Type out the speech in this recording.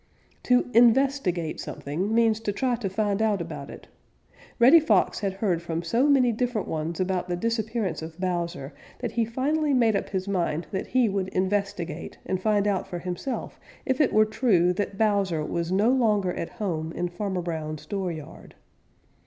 _ To in vest i gate something means to try to find out about it. Reddy Fox had heard from so many different ones about the disappearance of Bowser that he finally made up his mind that he would in vest i gate and find out for himself if it were true that Bowser was no longer at home in Farmer Brown's dooryard.